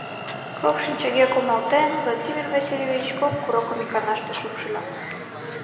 Кок шинчаге кумалтен, Владимир Васильевич кок курокым иканаште шупшыльо.